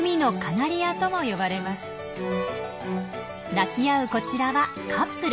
鳴き合うこちらはカップル。